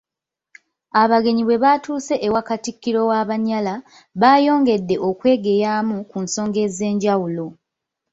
Abagenyi bwe baatuuse ewa Katikkiro w'Abanyala, baayongedde okwegeyaamu ku nsonga ez'enjawulo.